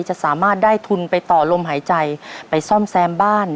จะสามารถได้ทุนไปต่อลมหายใจไปซ่อมแซมบ้าน